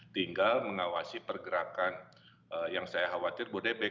tinggal mengawasi pergerakan yang saya khawatir bodebek